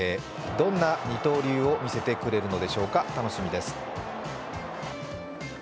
どんな二刀流を見せてくれるのでしょうか、楽しみです。